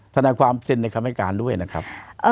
ทนายความเซ็นในคำให้การด้วยนะครับ